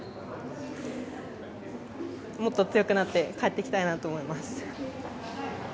もっと強くなって帰ってきたいなと思います。